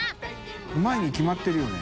Δ泙い決まってるよね。